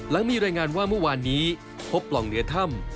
หลังมีรายงานว่าเมื่อวานนี้พบปล่องเหนือถ้ำ